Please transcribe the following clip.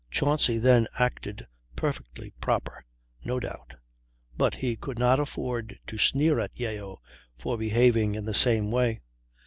Chauncy then acted perfectly proper, no doubt, but he could not afford to sneer at Yeo for behaving in the same way.